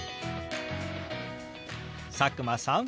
佐久間さん